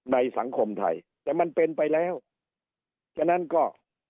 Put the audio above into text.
สังคมไทยแต่มันเป็นไปแล้วฉะนั้นก็